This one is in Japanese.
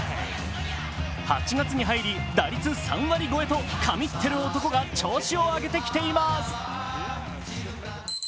８月に入り、打率３割超えと神ってる男が調子を上げてきています。